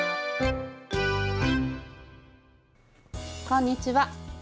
こんにちは。